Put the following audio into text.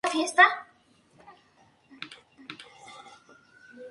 Posiblemente el autor no la llegara a rematar, toda vez que se publicó póstumamente.